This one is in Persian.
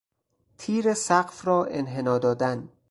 تیر سقف را انحنا دادن